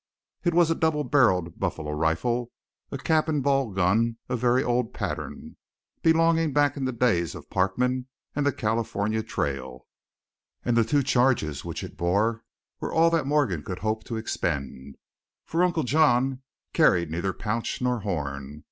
It was a double barreled buffalo rifle, a cap and ball gun of very old pattern, belonging back in the days of Parkman and the California Trail, and the two charges which it bore were all that Morgan could hope to expend, for Uncle John carried neither pouch nor horn.